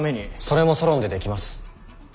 それもソロンでできます。